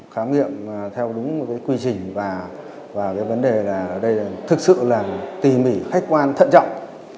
khám nghiệm theo đúng quy trình và vấn đề là đây thực sự là tỉ mỉ khách quan thận trọng